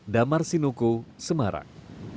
damar sinuku semarang